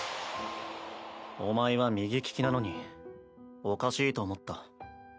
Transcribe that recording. お前は右利きなのにおかしいと思った。